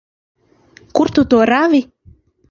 Kur tu to rāvi?